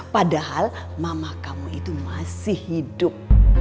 padahal mama kamu itu masih hidup